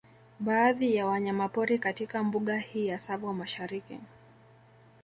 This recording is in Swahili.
Baadhi ya wanyamapori katika mbuga hii ya Tsavo Mashariki